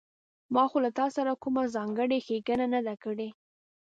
ما خو له تاسره کومه ځانګړې ښېګڼه نه ده کړې